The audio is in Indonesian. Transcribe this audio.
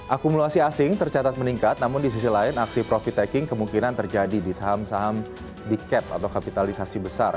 akumulasi asing tercatat meningkat namun di sisi lain aksi profit taking kemungkinan terjadi di saham saham di cap atau kapitalisasi besar